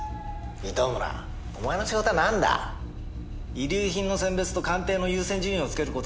糸村お前の仕事はなんだ？遺留品の選別と鑑定の優先順位をつける事だろ？